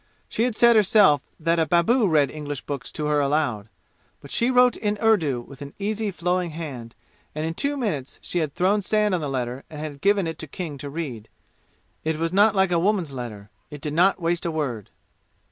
She had said herself that a babu read English books to her aloud. But she wrote in Urdu with an easy flowing hand, and in two minutes she had thrown sand on the letter and had given it to King to read. It was not like a woman's letter. It did not waste a word.